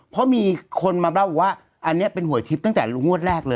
เพราะมีคนมาบับว่าอันเนี้ยเป็นหวยทั้งแต่งวดแรกเลย